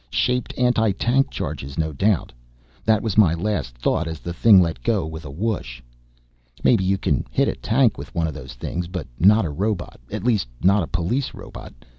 Shaped anti tank charges, no doubt. That was my last thought as the thing let go with a "whoosh." Maybe you can hit a tank with one of those. But not a robot. At least not a police robot.